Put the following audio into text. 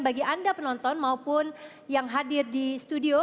bagi anda penonton maupun yang hadir di studio